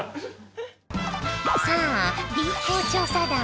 さあＢ公調査団！